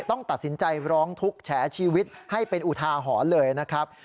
ต้องตัดสินใจร้องทุกข์แฉชีวิตให้เป็นอุทาหรณ์เลยนะครับ